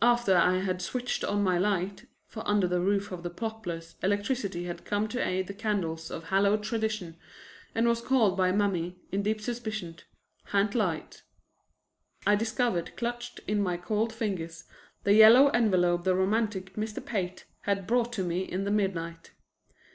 After I had switched on my light (for under the roof of the Poplars electricity had come to aid the candles of hallowed tradition, and was called by Mammy, in deep suspicion, "ha'nt light") I discovered clutched in my cold fingers the yellow envelope the romantic Mr. Pate had brought to me in the midnight.